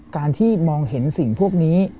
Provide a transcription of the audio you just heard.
การที่มองเห็นสิ่งพวกนี้